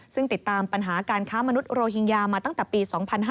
ซึ่งติดตามปัญหาการค้ามนุษยโรฮิงญามาตั้งแต่ปี๒๕๕๙